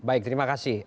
baik terima kasih